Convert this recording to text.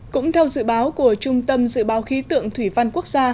cũng theo dự báo của trung tâm dự báo khí tượng thủy văn quốc gia